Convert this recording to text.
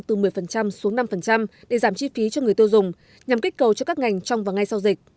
từ một mươi xuống năm để giảm chi phí cho người tiêu dùng nhằm kích cầu cho các ngành trong và ngay sau dịch